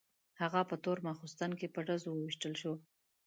هغه په تور ماخستن کې په ډزو وویشتل شو.